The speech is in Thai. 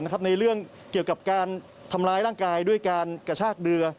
เกี่ยวกับการทำร้ายร่างกายด้วยการกระชากเดือ